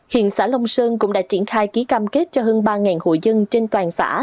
hiện xã long sơn cũng đã triển khai ký cam kết cho hơn ba hội dân trên toàn xã